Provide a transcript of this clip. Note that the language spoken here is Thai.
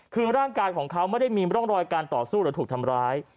คือร่างกายของเขาไม่ได้มีร่องรอยการต่อสู้หรือถูกทำร้าย